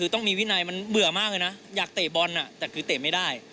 ต้องมีวินัยมันเบื่อมากเลยนะอยากเตะบอลแต่คือเตะไม่ได้